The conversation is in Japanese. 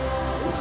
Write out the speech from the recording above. あ。